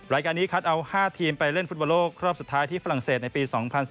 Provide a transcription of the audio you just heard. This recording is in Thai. รายการนี้คัดเอา๕ทีมไปเล่นฟุตบอลโลกรอบสุดท้ายที่ฝรั่งเศสในปี๒๐๑๙